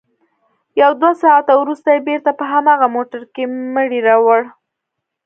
يو دوه ساعته وروسته يې بېرته په هماغه موټر کښې مړى راوړ.